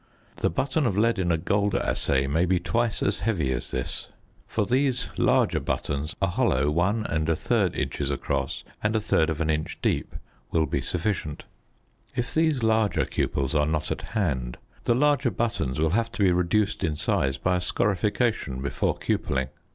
The button of lead in a gold assay may be twice as heavy as this. For these larger buttons a hollow 1 1/3 inch across and 1/3 inch deep will be sufficient. If these larger cupels are not at hand the larger buttons will have to be reduced in size by a scorification before cupelling.